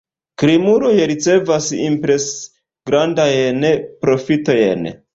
Krimuloj ricevas impresgrandajn profitojn.